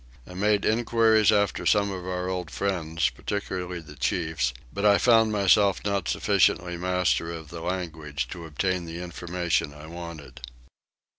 I made enquiries after some of our old friends, particularly the chiefs, but I found myself not sufficiently master of the language to obtain the information I wanted.